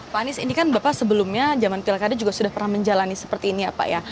pak anies ini kan bapak sebelumnya zaman pilkada juga sudah pernah menjalani seperti ini ya pak ya